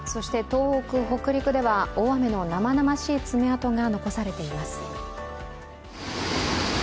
東北、北陸では大雨の生々しい爪痕が残されています。